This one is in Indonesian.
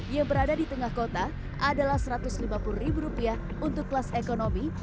yang berada di tengah kota adalah rp satu ratus lima puluh ribu rupiah untuk kelas ekonomi